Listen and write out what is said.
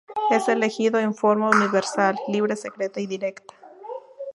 Es elegido en forma universal, libre, secreta y directa.